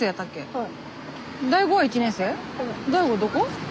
はい。